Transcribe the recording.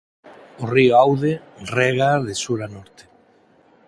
O río Aude régaa de sur a norte.